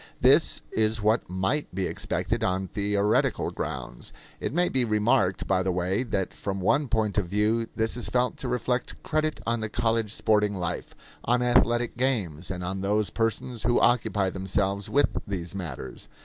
This is what might be expected on theoretical grounds. It may be remarked, by the way, that from one point of view this is felt to reflect credit on the college sporting life, on athletic games, and on those persons who occupy themselves with these matters.